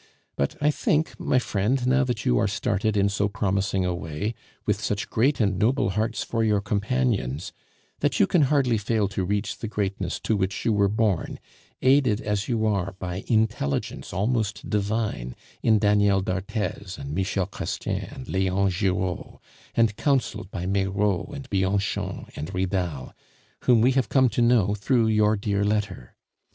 But I think, my friend now that you are started in so promising a way, with such great and noble hearts for your companions, that you can hardly fail to reach the greatness to which you were born, aided as you are by intelligence almost divine in Daniel d'Arthez and Michel Chrestien and Leon Giraud, and counseled by Meyraux and Bianchon and Ridal, whom we have come to know through your dear letter.